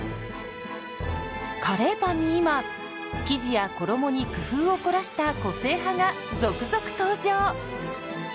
カレーパンに今生地や衣に工夫を凝らした個性派が続々登場！